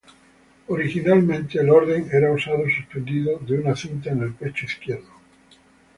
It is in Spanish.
Originalmente, el orden era usado suspendido de una cinta en el pecho izquierdo.